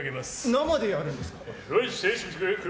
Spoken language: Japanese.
生でやるんですか？